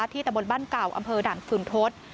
ตะบนบ้านเก่าอำเภอด่านฝืนทศ